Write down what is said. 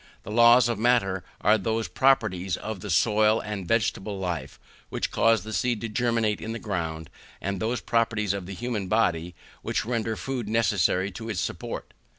The laws of matter are those properties of the soil and of vegetable life which cause the seed to germinate in the ground, and those properties of the human body which render food necessary to its support.